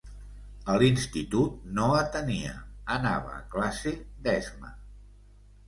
A l'institut no atenia, anava a classe d'esma.